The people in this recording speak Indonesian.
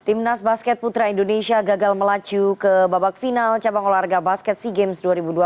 timnas basket putra indonesia gagal melaju ke babak final cabang olahraga basket sea games dua ribu dua puluh tiga